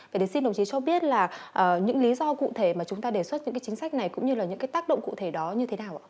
vậy thì xin đồng chí cho biết là những lý do cụ thể mà chúng ta đề xuất những cái chính sách này cũng như là những cái tác động cụ thể đó như thế nào ạ